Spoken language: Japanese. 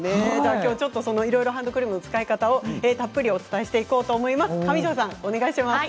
きょうはいろいろハンドクリームの使い方をたっぷりお伝えしていこうと思います。